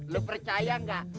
lo percaya gak